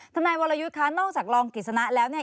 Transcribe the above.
ท่านนายวรยุตค้นนอกจากรองกฏฒณะแล้วเนี่ย